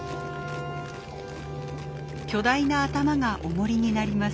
巨大な頭がオモリになります。